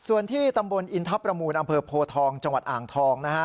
ส่วนที่ตำบลอินทรประมูลอำเภอโพทองจังหวัดอ่างทองนะฮะ